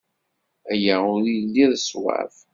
Aya ur yelli d ṣṣwab.